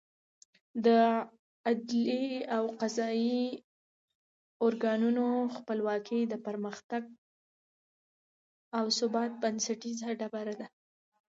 د عدلي او قضايي ارګانونو خپلواکي د پرمختګ او ثبات بنسټیزه ډبره ده.